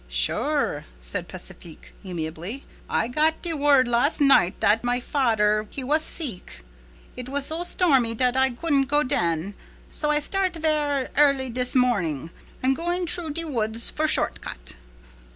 "Sure," said Pacifique amiably. "I got de word las' night dat my fader, he was seeck. It was so stormy dat I couldn't go den, so I start vair early dis mornin'. I'm goin' troo de woods for short cut."